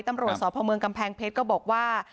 ตำรวจสพก่ำแพงเพชรก็บอกว่า